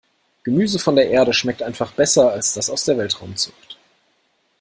Gemüse von der Erde schmeckt einfach besser als das aus der Weltraumzucht.